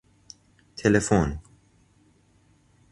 تلفن